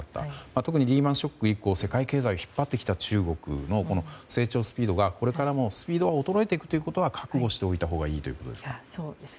特にリーマン・ショック以降世界経済を引っ張ってきた中国の成長スピードがこれからもスピードは衰えていくことは覚悟したほうがいいということですか。